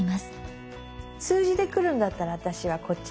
数字でくるんだったら私はこっちにしよ。